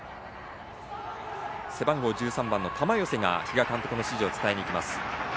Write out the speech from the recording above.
背番号１３の玉寄が比嘉監督の指示を伝えました。